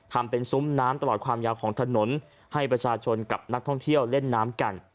ทำเป็นซุ้มน้ำตลอดความยาวของถนนให้ประชาชนกับนักท่องเที่ยวเล่นน้ำกัน